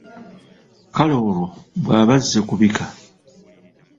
Kale olwo bwaba azze kubika?